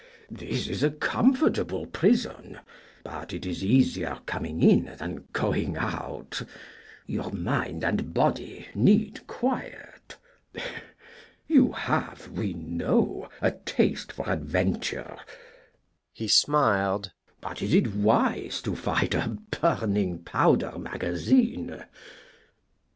This is a comfortable prison, but it is easier coming in than going out. Your mind and body need quiet. You have, we know, a taste for adventure" he smiled "but is it wise to fight a burning powder magazine?"